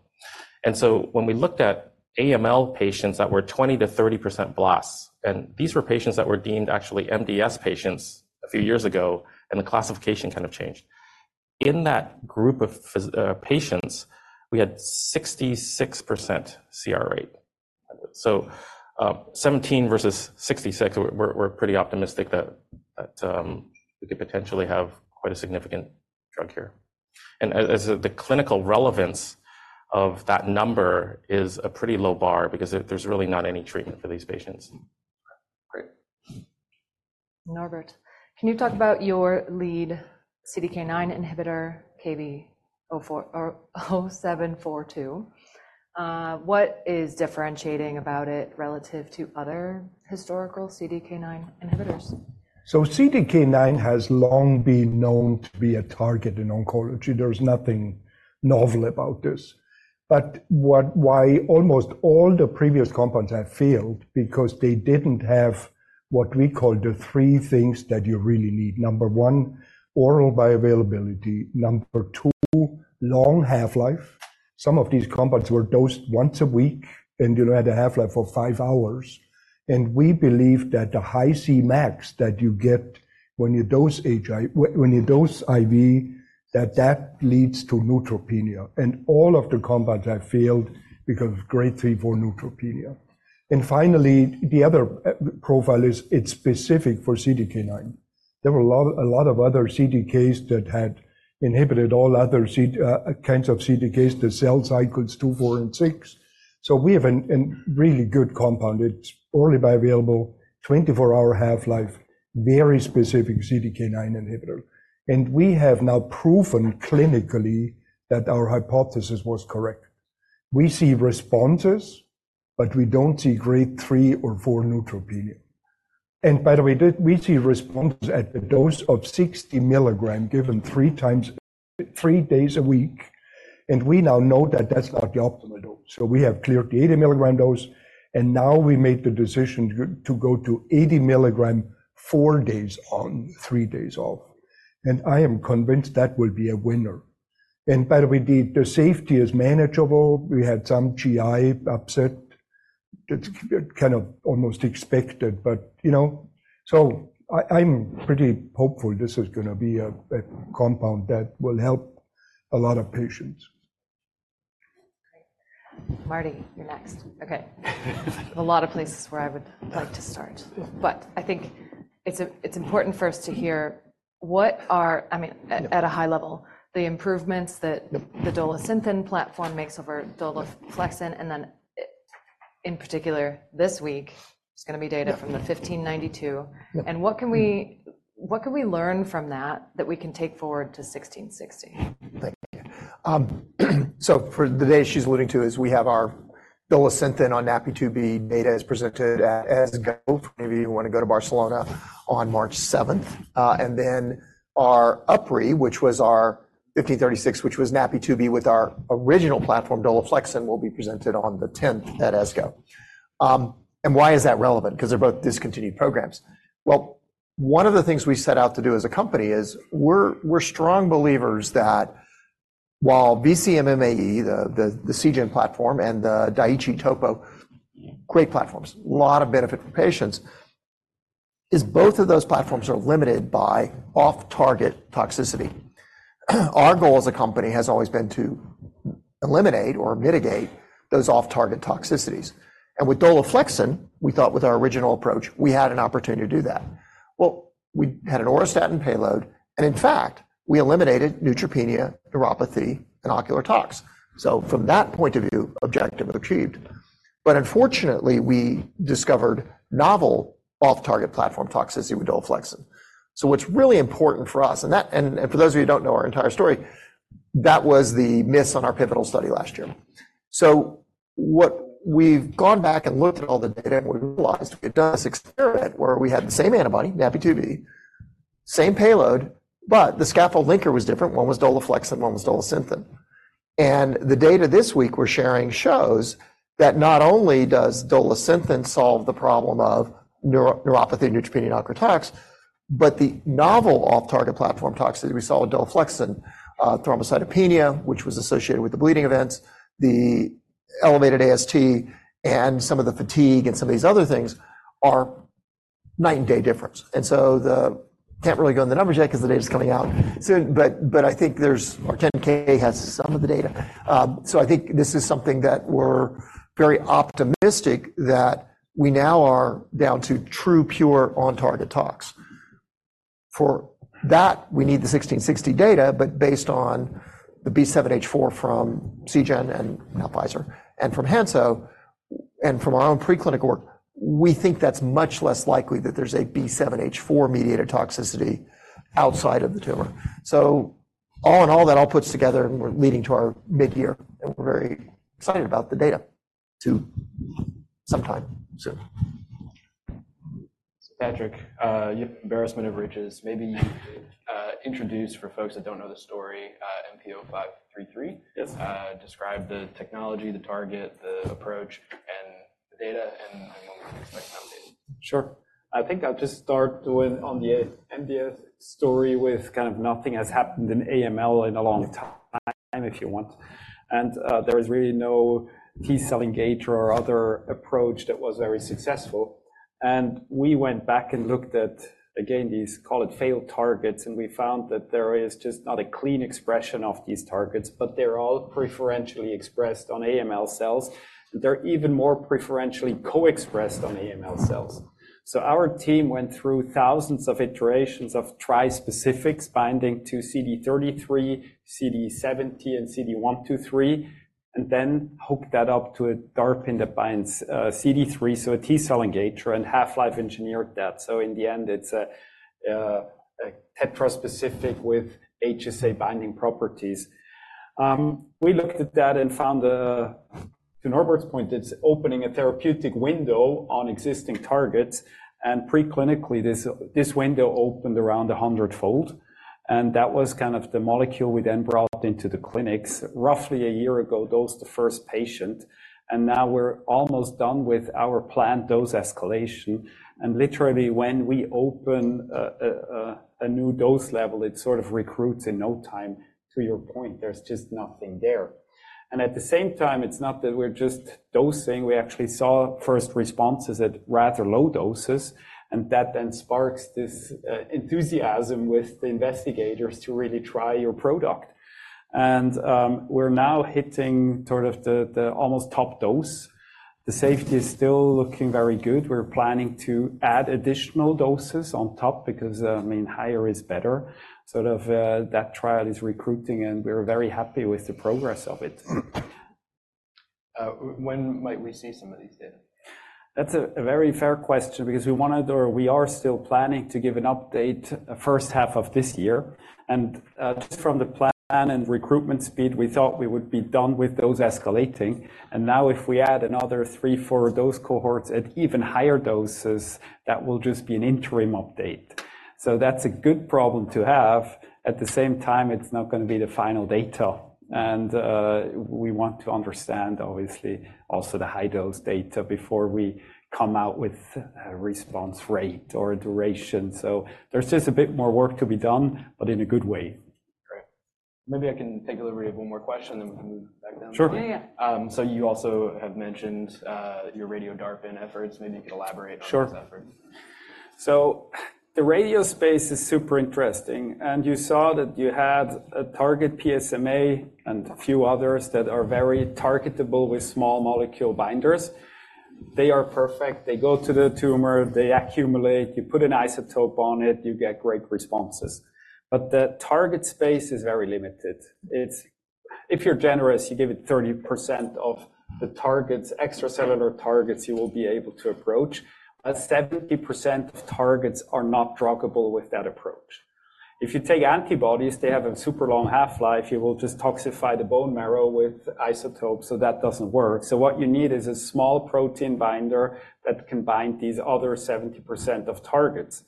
S2: And so when we looked at AML patients that were 20%-30% blasts, and these were patients that were deemed actually MDS patients a few years ago, and the classification kind of changed. In that group of patients, we had 66% CR rate. So, 17 versus 66, we're pretty optimistic that we could potentially have quite a significant drug here. And as the clinical relevance of that number is a pretty low bar because there, there's really not any treatment for these patients.
S7: Great.
S1: Norbert, can you talk about your lead CDK9 inhibitor, KB-0742? What is differentiating about it relative to other historical CDK9 inhibitors?
S3: CDK9 has long been known to be a target in oncology. There's nothing novel about this, but why almost all the previous compounds have failed because they didn't have what we call the three things that you really need. Number 1, oral bioavailability. Number 2, long half-life. Some of these compounds were dosed once a week, and you had a half-life of 5 hours, and we believe that the high Cmax that you get when you dose IV, that that leads to neutropenia, and all of the compounds have failed because of grade 3 for neutropenia. And finally, the other profile is it's specific for CDK9. There were a lot, a lot of other CDKs that had inhibited all other kinds of CDKs, the cell cycles 2, 4, and 6. So we have a really good compound. It's orally bioavailable, 24-hour half-life, very specific CDK9 inhibitor. And we have now proven clinically that our hypothesis was correct. We see responses, but we don't see grade 3 or 4 neutropenia. And by the way, we see responses at the dose of 60 mg, given three days a week, and we now know that that's not the optimal dose. So we have cleared the 80 mg dose, and now we made the decision to go to 80 mg, four days on, three days off. And I am convinced that will be a winner. And by the way, the safety is manageable. We had some GI upset. That's kind of almost expected, but, you know... So I'm pretty hopeful this is gonna be a compound that will help a lot of patients.
S1: Great. Marty, you're next. Okay. A lot of places where I would like to start, but I think it's important for us to hear—I mean, at a high level, the improvements that the Dolasynthen platform makes over Dolaflexin, and then in particular, this week, it's gonna be data from the XMT-1592.
S4: Yeah.
S1: What can we learn from that that we can take forward to 1660?
S4: Thank you. So for the data she's alluding to is we have our Dolasynthen on NaPi2b data is presented at ASCO. Maybe you want to go to Barcelona on March seventh. And then our Upri, which was our XMT-1536, which was NaPi2b, with our original platform, Dolaflexin, will be presented on the tenth at ASCO. And why is that relevant? Because they're both discontinued programs. Well, one of the things we set out to do as a company is we're, we're strong believers that while BCMA, the, the Seagen platform, and the Daiichi Topo, great platforms, a lot of benefit for patients, is both of those platforms are limited by off-target toxicity. Our goal as a company has always been to eliminate or mitigate those off-target toxicities. And with Dolaflexin, we thought with our original approach, we had an opportunity to do that. Well, we had an auristatin payload, and in fact, we eliminated neutropenia, neuropathy, and ocular tox. So from that point of view, objective achieved. But unfortunately, we discovered novel off-target platform toxicity with Dolaflexin. So what's really important for us, and that, and, and for those of you who don't know our entire story, that was the miss on our pivotal study last year. So what we've gone back and looked at all the data, and we've realized we did this experiment where we had the same antibody, NaPi2b, same payload, but the scaffold linker was different. One was Dolaflexin, one was Dolasynthen. And the data this week we're sharing shows that not only does Dolasynthen solve the problem of neuropathy, neutropenia, and ocular tox, but the novel off-target platform toxicity we saw with Dolaflexin, thrombocytopenia, which was associated with the bleeding events, the elevated AST and some of the fatigue and some of these other things are night and day difference. And so can't really go into the numbers yet because the data is coming out soon, but I think there's our 10-K has some of the data. So I think this is something that we're very optimistic that we now are down to true, pure, on-target tox. For that, we need the 1660 data, but based on the B7-H4 from Seagen and now Pfizer, and from Hansoh, and from our own preclinical work, we think that's much less likely that there's a B7-H4 mediator toxicity outside of the tumor. So all in all, that all puts together, and we're leading to our mid-year, and we're very excited about the data, too, sometime soon.
S6: So, Patrick, you've embarrassment of riches. Maybe you could introduce for folks that don't know the story, MP0533.
S5: Yes.
S6: Describe the technology, the target, the approach, and the data, and when we expect that data.
S5: Sure. I think I'll just start with on the MDS story with kind of nothing has happened in AML in a long time, if you want. And there is really no T-cell engager or other approach that was very successful. And we went back and looked at, again, these, call it, failed targets, and we found that there is just not a clean expression of these targets, but they're all preferentially expressed on AML cells, and they're even more preferentially co-expressed on AML cells. So our team went through thousands of iterations of tri-specifics binding to CD33, CD70, and CD123, and then hooked that up to a DARPin that binds CD3, so a T-cell engager and half-life engineered that. So in the end, it's a tetra-specific with HSA binding properties. We looked at that and found, to Norbert's point, it's opening a therapeutic window on existing targets, and pre-clinically, this window opened around 100-fold, and that was kind of the molecule we then brought into the clinics. Roughly a year ago, dosed the first patient, and now we're almost done with our planned dose escalation. Literally, when we open a new dose level, it sort of recruits in no time. To your point, there's just nothing there.... And at the same time, it's not that we're just dosing. We actually saw first responses at rather low doses, and that then sparks this enthusiasm with the investigators to really try your product. And we're now hitting sort of the almost top dose. The safety is still looking very good. We're planning to add additional doses on top because I mean, higher is better. Sort of that trial is recruiting, and we're very happy with the progress of it.
S7: When might we see some of these data?
S5: That's a very fair question because we wanted, or we are still planning to give an update first half of this year. And just from the plan and recruitment speed, we thought we would be done with those escalating. And now, if we add another 3-4 dose cohorts at even higher doses, that will just be an interim update. So that's a good problem to have. At the same time, it's not gonna be the final data, and we want to understand obviously also the high dose data before we come out with a response rate or a duration. So there's just a bit more work to be done, but in a good way.
S7: Great. Maybe I can take liberty of one more question, and we can move back down.
S5: Sure.
S1: Yeah, yeah.
S7: So you also have mentioned your Radio-DARPin efforts. Maybe you could elaborate.
S5: Sure
S7: on those efforts.
S5: So the radio space is super interesting, and you saw that you had a target PSMA and a few others that are very targetable with small molecule binders. They are perfect. They go to the tumor. They accumulate. You put an isotope on it, you get great responses. But the target space is very limited. It's. If you're generous, you give it 30% of the targets, extracellular targets you will be able to approach, but 70% of targets are not druggable with that approach. If you take antibodies, they have a super long half-life. You will just toxify the bone marrow with isotopes, so that doesn't work. So what you need is a small protein binder that can bind these other 70% of targets.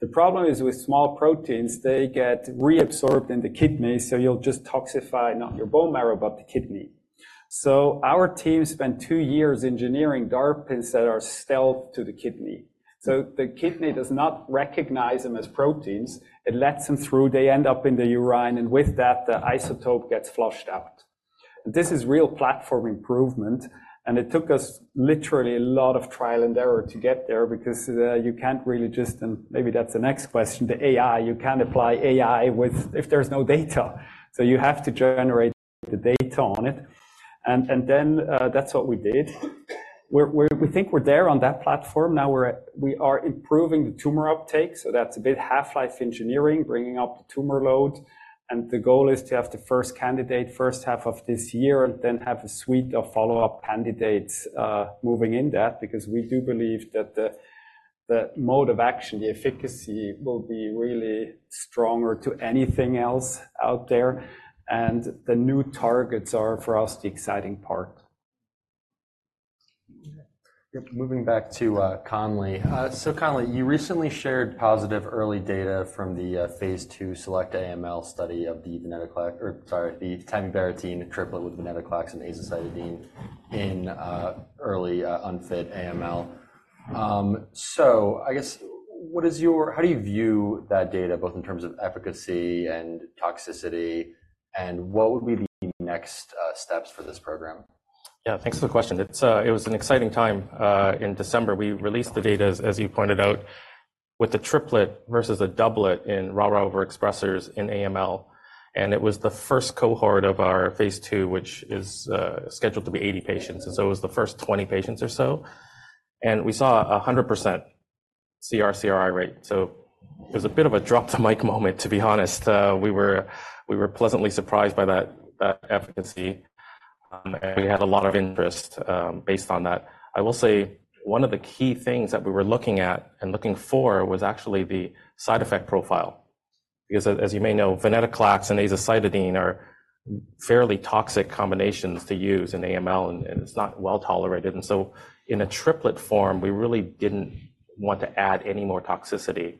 S5: The problem is, with small proteins, they get reabsorbed in the kidney, so you'll just toxify not your bone marrow, but the kidney. So our team spent two years engineering DARPins that are stealth to the kidney. So the kidney does not recognize them as proteins. It lets them through, they end up in the urine, and with that, the isotope gets flushed out. This is real platform improvement, and it took us literally a lot of trial and error to get there because you can't really just-- And maybe that's the next question, the AI. You can't apply AI with-- if there's no data. So you have to generate the data on it. And, and then, that's what we did. We think we're there on that platform now. We are improving the tumor uptake, so that's a bit half-life engineering, bringing up the tumor load. The goal is to have the first candidate first half of this year and then have a suite of follow-up candidates moving in that because we do believe that the mode of action, the efficacy, will be really stronger to anything else out there, and the new targets are, for us, the exciting part.
S7: Moving back to, Conley. So, Conley, you recently shared positive early data from the, Phase II SELECT-AML study of the venetoclax, or sorry, the tamibarotene triplet with venetoclax and azacitidine in, early, unfit AML. So I guess, what is your—How do you view that data, both in terms of efficacy and toxicity, and what would be the next, steps for this program?
S2: Yeah, thanks for the question. It's, it was an exciting time, in December. We released the data, as you pointed out, with the triplet versus a doublet in RARA overexpressers in AML, and it was the first cohort of our Phase II, which is, scheduled to be 80 patients, and so it was the first 20 patients or so. And we saw a 100% CR/CRi rate, so it was a bit of a drop-the-mic moment, to be honest. We were pleasantly surprised by that efficacy, and we had a lot of interest, based on that. I will say, one of the key things that we were looking at and looking for was actually the side effect profile because, as you may know, venetoclax and azacitidine are fairly toxic combinations to use in AML, and it's not well-tolerated. And so in a triplet form, we really didn't want to add any more toxicity,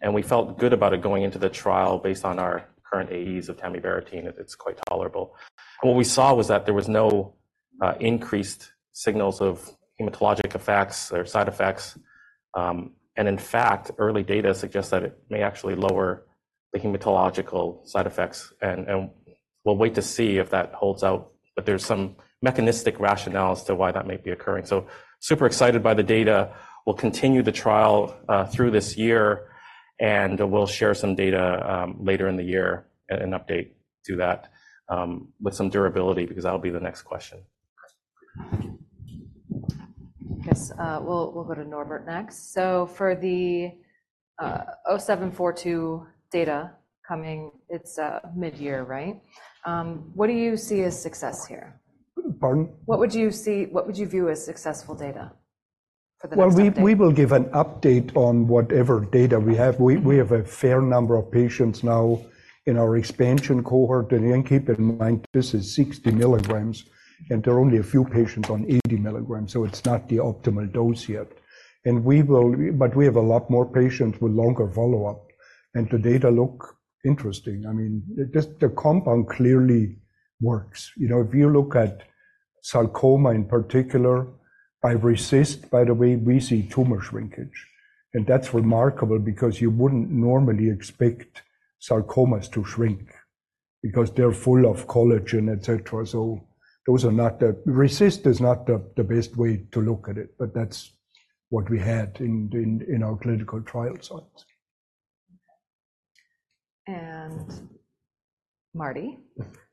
S2: and we felt good about it going into the trial based on our current AEs of tamibarotene; it's quite tolerable. What we saw was that there was no increased signals of hematologic effects or side effects. And in fact, early data suggests that it may actually lower the hematological side effects, and, and we'll wait to see if that holds out. But there's some mechanistic rationale as to why that might be occurring. So super excited by the data. We'll continue the trial through this year, and we'll share some data later in the year and an update to that with some durability, because that'll be the next question.
S1: Yes, we'll go to Norbert next. So for the 0742 data coming, it's mid-year, right? What do you see as success here?
S3: Pardon?
S1: What would you view as successful data for the next update?
S3: Well, we will give an update on whatever data we have. We have a fair number of patients now in our expansion cohort, and then keep in mind, this is 60 milligrams, and there are only a few patients on 80 milligrams, so it's not the optimal dose yet. But we have a lot more patients with longer follow-up, and the data look interesting. I mean, just the compound clearly works. You know, if you look at sarcoma in particular, by RECIST, by the way, we see tumor shrinkage. That's remarkable because you wouldn't normally expect sarcomas to shrink because they're full of collagen, etc. So RECIST is not the best way to look at it, but that's what we had in our clinical trial sites.
S1: And Marty,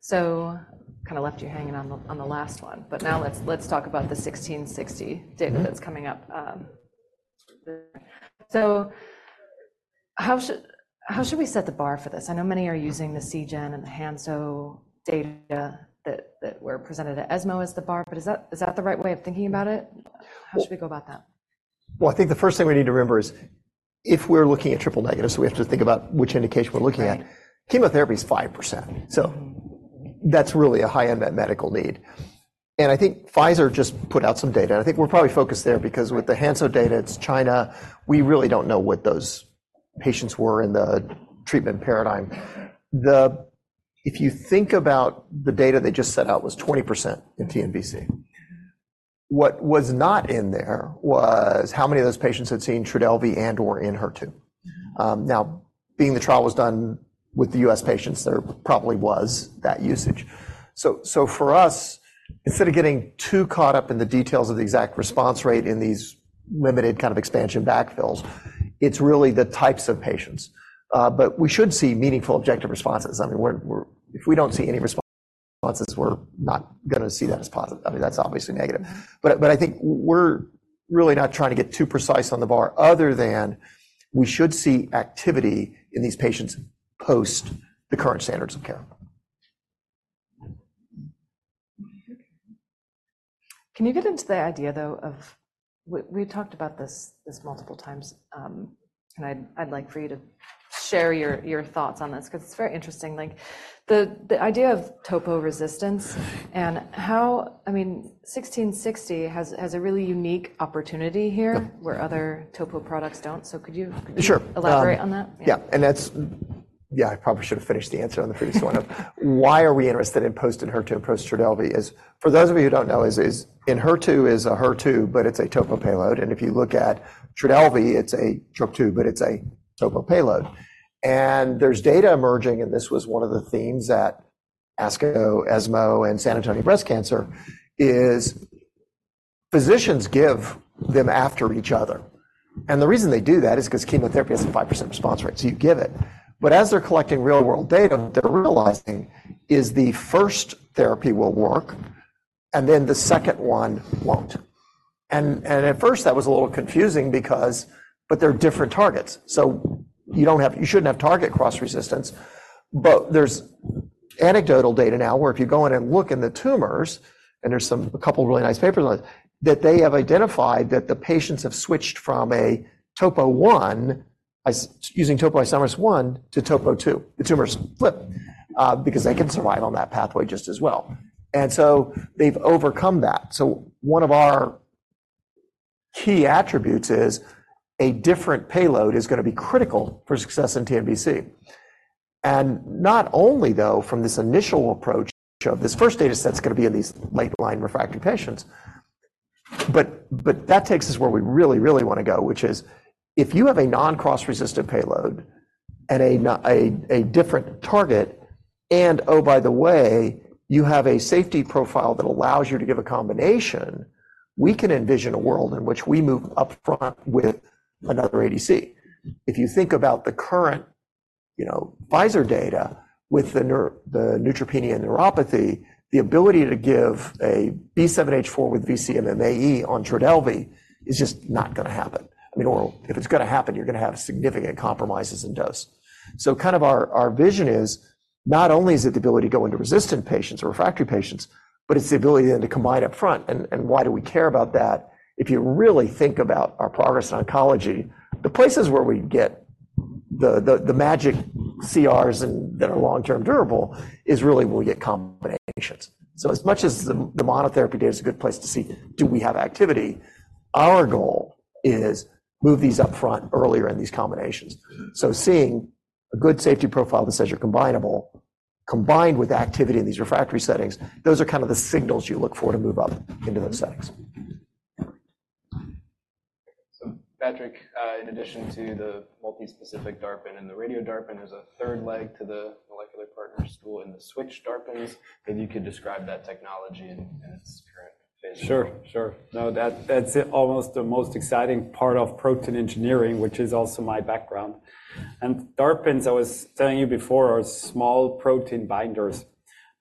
S1: so kind of left you hanging on the, on the last one. But now let's, let's talk about the XMT-1660 data that's coming up. So how should, how should we set the bar for this? I know many are using the Seagen and the Hansoh data that, that were presented at ESMO as the bar, but is that, is that the right way of thinking about it? How should we go about that?
S4: Well, I think the first thing we need to remember is if we're looking at triple-negative, so we have to think about which indication we're looking at.
S1: Right.
S4: Chemotherapy is 5%, so that's really a high unmet medical need. And I think Pfizer just put out some data, and I think we're probably focused there because with the Hansoh data, it's China. We really don't know what those patients were in the treatment paradigm. If you think about the data they just set out was 20% in TNBC. What was not in there was how many of those patients had seen Trodelvy and/or Enhertu. Now, being the trial was done with the U.S. patients, there probably was that usage. So, so for us, instead of getting too caught up in the details of the exact response rate in these limited kind of expansion backfills, it's really the types of patients. But we should see meaningful objective responses. I mean, we're—if we don't see any responses, we're not gonna see that as positive. I mean, that's obviously negative. But I think we're really not trying to get too precise on the bar other than we should see activity in these patients post the current standards of care.
S1: Can you get into the idea, though, of... We talked about this multiple times, and I'd like for you to share your thoughts on this because it's very interesting. Like, the idea of topo resistance and how, I mean, XMT-1660 has a really unique opportunity here-
S4: Yeah
S1: -where other topo products don't. So could you-
S4: Sure.
S1: Elaborate on that?
S4: Yeah. And that's. Yeah, I probably should have finished the answer on the previous one. Why are we interested in post Enhertu and post Trodelvy? For those of you who don't know, Enhertu is a HER2, but it's a topo payload. And if you look at Trodelvy, it's a Trop-2, but it's a topo payload. And there's data emerging, and this was one of the themes at ASCO, ESMO, and San Antonio Breast Cancer, is physicians give them after each other. And the reason they do that is because chemotherapy has a 5% response rate, so you give it. But as they're collecting real-world data, what they're realizing is the first therapy will work, and then the second one won't. And at first, that was a little confusing because... But they're different targets, so you don't have you shouldn't have target cross resistance. But there's anecdotal data now where if you go in and look in the tumors, and there's some, a couple of really nice papers on it, that they have identified that the patients have switched from a Topo I, as using topoisomerase I to Topo II. The tumors flip, because they can survive on that pathway just as well. And so they've overcome that. So one of our key attributes is a different payload is gonna be critical for success in TNBC. And not only, though, from this initial approach of this first data set, it's gonna be in these late-line refractory patients, but that takes us where we really, really want to go, which is if you have a non-cross-resistant payload and a different target, and, oh, by the way, you have a safety profile that allows you to give a combination, we can envision a world in which we move upfront with another ADC. If you think about the current, you know, Pfizer data with the neutropenia neuropathy, the ability to give a B7-H4 with vc-MMAE on Trodelvy is just not gonna happen. I mean, or if it's gonna happen, you're gonna have significant compromises in dose. So kind of our vision is not only is it the ability to go into resistant patients or refractory patients, but it's the ability then to combine upfront. And why do we care about that? If you really think about our progress in oncology, the places where we get the magic CRs and that are long-term durable is really where we get combinations. So as much as the monotherapy data is a good place to see, do we have activity? Our goal is move these upfront earlier in these combinations. So seeing a good safety profile that says you're combinable, combined with activity in these refractory settings, those are kind of the signals you look for to move up into those settings. So, Patrick, in addition to the multi-specific DARPin and the Radio-DARPin, there's a third leg to the Molecular Partners toolkit in the Switch-DARPin. If you could describe that technology in its current phase.
S5: Sure, sure. No, that, that's almost the most exciting part of protein engineering, which is also my background. And DARPins, I was telling you before, are small protein binders.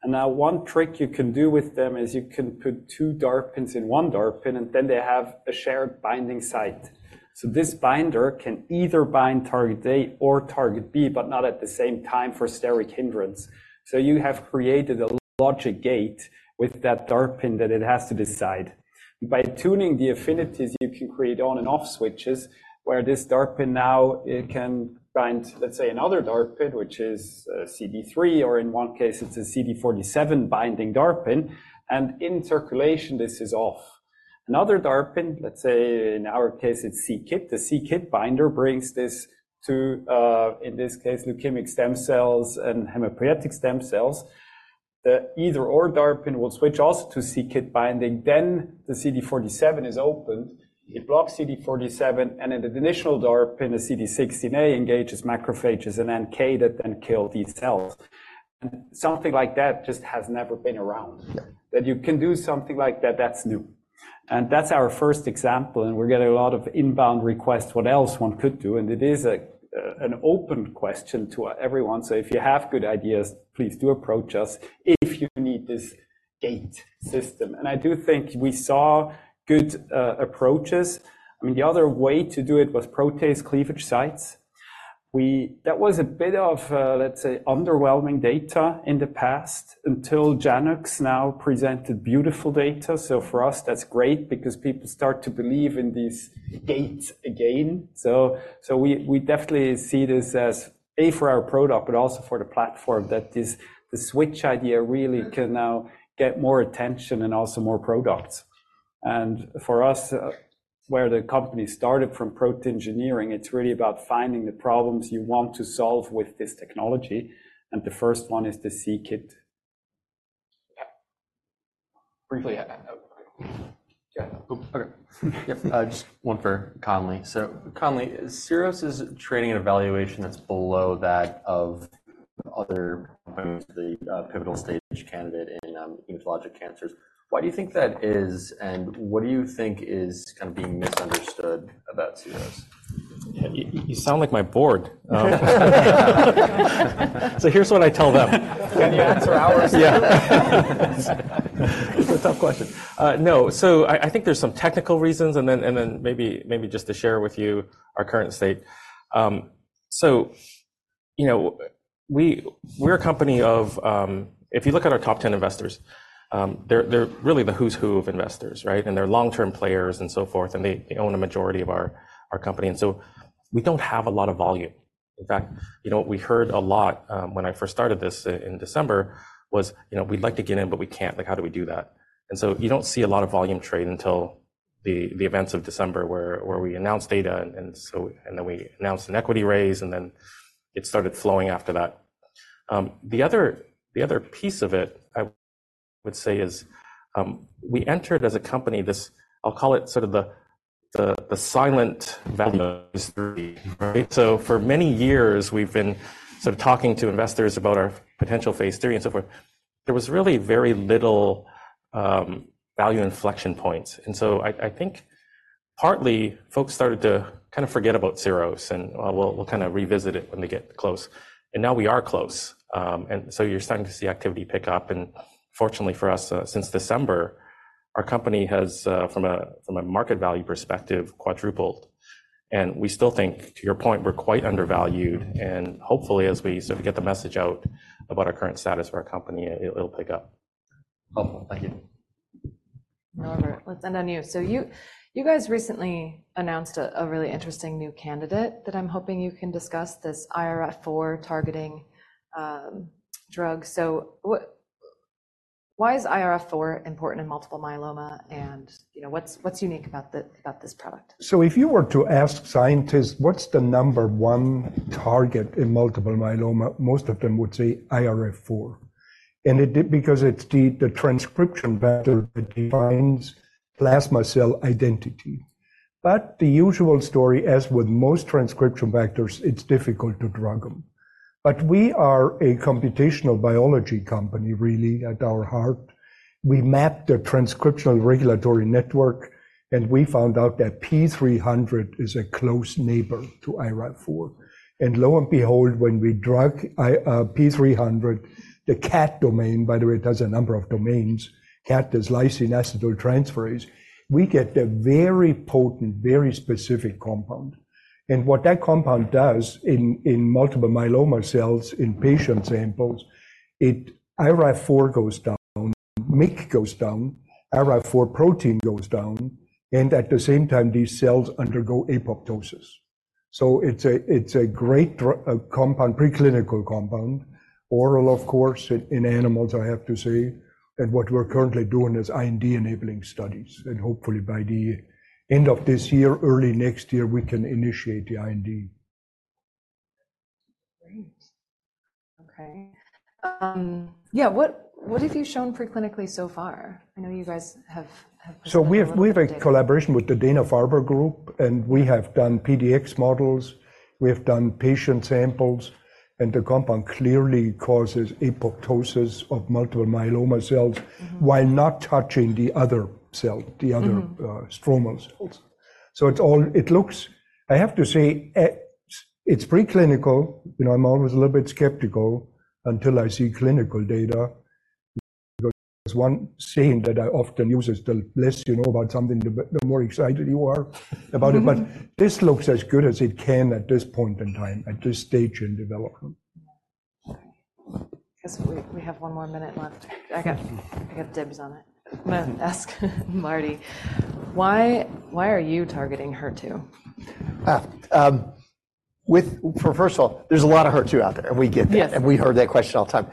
S5: And now one trick you can do with them is you can put two DARPins in one DARPin, and then they have a shared binding site. So this binder can either bind target A or target B, but not at the same time for steric hindrance. So you have created a logic gate with that DARPin that it has to decide. By tuning the affinities, you can create on and off switches, where this DARPin now it can bind, let's say, another DARPin, which is, CD3, or in one case, it's a CD47 binding DARPin, and in circulation, this is off. Another DARPin, let's say in our case it's c-Kit. The c-Kit binder brings this to, in this case, leukemic stem cells and hematopoietic stem cells. The either or DARPin will switch also to c-Kit binding, then the CD47 is opened. It blocks CD47, and in the initial DARPin, the CD16A engages macrophages, and then NK that then kill these cells. Something like that just has never been around.
S3: Yeah.
S5: That you can do something like that, that's new. And that's our first example, and we're getting a lot of inbound requests, what else one could do, and it is a, an open question to everyone. So if you have good ideas, please do approach us if you need this gate system. And I do think we saw good approaches. I mean, the other way to do it was protease cleavage sites. That was a bit of, let's say, underwhelming data in the past, until Janux now presented beautiful data. So for us, that's great because people start to believe in these gates again. So we definitely see this as, A, for our product, but also for the platform, that this switch idea really can now get more attention and also more products. For us, where the company started from protein engineering, it's really about finding the problems you want to solve with this technology, and the first one is the c-Kit.
S3: Yeah. Briefly... Yeah. Okay.
S7: Yep, just one for Conley. So, Conley, Syros is trading at a valuation that's below that of other companies, the pivotal stage candidate in hematologic cancers. Why do you think that is, and what do you think is kind of being misunderstood about Syros?
S2: You sound like my board. So here's what I tell them.
S7: Can you answer ours?
S2: Yeah. It's a tough question. No, so I think there's some technical reasons, and then maybe just to share with you our current state. So you know, we're a company of... If you look at our top ten investors, they're really the who's who of investors, right? And they're long-term players and so forth, and they own a majority of our company, and so we don't have a lot of volume. In fact, you know, what we heard a lot when I first started this in December was, "You know, we'd like to get in, but we can't. Like, how do we do that?" And so you don't see a lot of volume trade until the events of December, where we announced data, and then we announced an equity raise, and then it started flowing after that. The other piece of it, I would say, is we entered as a company this. I'll call it sort of the silent value, right? So for many years, we've been sort of talking to investors about our potential Phase III and so forth. There was really very little value inflection points, and so I think partly folks started to kind of forget about Syros, and, "Well, we'll kind of revisit it when we get close." And now we are close. And so you're starting to see activity pick up, and fortunately for us, from a market value perspective, quadrupled. And we still think, to your point, we're quite undervalued, and hopefully, as we sort of get the message out about our current status of our company, it, it'll pick up.
S7: Oh, thank you.
S1: Norbert, let's end on you. So you guys recently announced a really interesting new candidate that I'm hoping you can discuss, this IRF4 targeting drug. So why is IRF4 important in multiple myeloma, and, you know, what's unique about this product?
S3: So if you were to ask scientists, what's the number one target in multiple myeloma? Most of them would say IRF4, and it because it's the, the transcription factor that defines plasma cell identity. But the usual story, as with most transcription factors, it's difficult to drug them. But we are a computational biology company, really, at our heart. We mapped the transcriptional regulatory network, and we found out that P300 is a close neighbor to IRF4. And lo and behold, when we drug P300, the KAT domain, by the way, it has a number of domains, KAT, this lysine acetyltransferase, we get a very potent, very specific compound. And what that compound does in, in multiple myeloma cells, in patient samples, it, IRF4 goes down, MYC goes down, IRF4 protein goes down, and at the same time, these cells undergo apoptosis. So it's a great compound, preclinical compound, oral, of course, in animals, I have to say. What we're currently doing is IND-enabling studies, and hopefully, by the end of this year, early next year, we can initiate the IND.
S1: Great. Okay. Yeah, what have you shown preclinically so far? I know you guys have, have-
S3: So we have a collaboration with the Dana-Farber Cancer Institute, and we have done PDX models. We have done patient samples, and the compound clearly causes apoptosis of multiple myeloma cells.... while not touching the other cell the other, stromal cells. So it looks. I have to say, it's preclinical. You know, I'm always a little bit skeptical until I see clinical data, because one saying that I often use is, "The less you know about something, the more excited you are about it. This looks as good as it can at this point in time, at this stage in development.
S1: Okay. I guess we have one more minute left. I got dibs on it. I'm gonna ask Marty, why are you targeting HER2?
S4: First of all, there's a lot of HER2 out there, and we get that.
S1: Yes.
S4: And we heard that question all the time.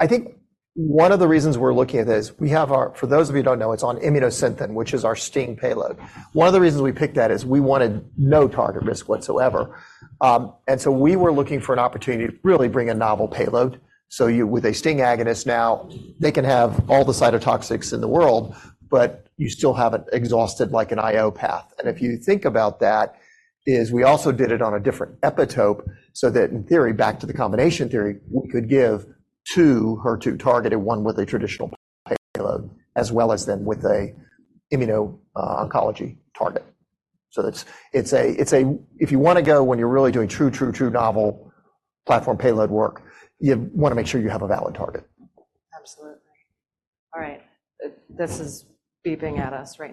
S4: I think one of the reasons we're looking at that is we have our. For those of you who don't know, it's on Immunosynthen, which is our STING payload. One of the reasons we picked that is we wanted no target risk whatsoever. And so we were looking for an opportunity to really bring a novel payload. So you, with a STING agonist now, they can have all the cytotoxics in the world, but you still have it exhausted, like an IO path. And if you think about that, is we also did it on a different epitope, so that, in theory, back to the combination theory, we could give two HER2-targeted, one with a traditional payload, as well as then with a immuno-oncology target. If you wanna go when you're really doing true, true, true novel platform payload work, you wanna make sure you have a valid target.
S1: Absolutely. All right, this is beeping at us right now.